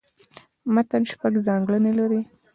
متن شپږ ځانګړني لري.